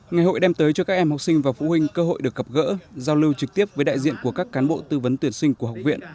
ngày hội đem tới cho các em học sinh và phụ huynh cơ hội được gặp gỡ giao lưu trực tiếp với đại diện của các cán bộ tư vấn tuyển sinh của học viện